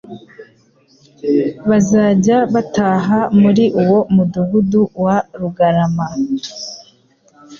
bazajya bataha muri uwo Mudugudu wa Rugarama.